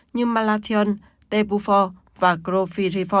như malathion tebufor và grofirifol